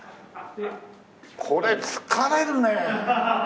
これ疲れるね。